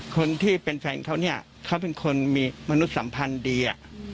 คนที่เป็นแฟนเขาเนี่ยเขาเป็นคนมีมนุษย์สัมพันธ์ดี